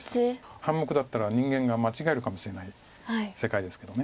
半目だったら人間が間違えるかもしれない世界ですけど。